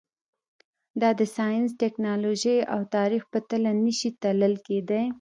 دا د ساینس، ټکنالوژۍ او تاریخ په تله نه شي تلل کېدای.